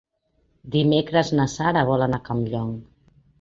Dimecres na Sara vol anar a Campllong.